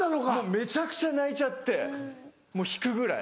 めちゃくちゃ泣いちゃってもう引くぐらい。